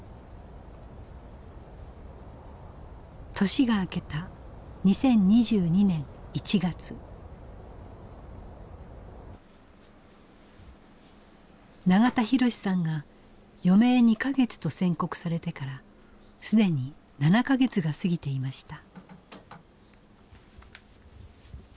年が明けた永田博さんが余命２か月と宣告されてから既に７か月が過ぎていました。